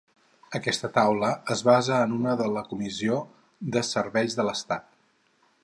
Aquesta taula es basa en una de la Comissió de serveis de l'Estat.